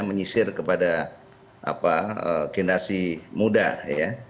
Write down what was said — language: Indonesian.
menyisir kepada generasi muda ya